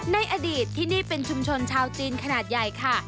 ในอดีตที่นี่เป็นชุมชนชาวจีนขนาดใหญ่ค่ะ